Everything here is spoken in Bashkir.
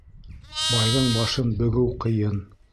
Байҙың башын бөгөү ҡыйын.